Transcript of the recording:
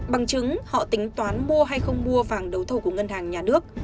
bằng chứng họ tính toán mua hay không mua vàng đấu thầu của ngân hàng nhà nước